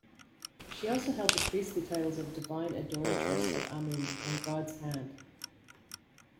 She also held the priestly titles of "Divine Adoratrice of Amun" and "God's Hand".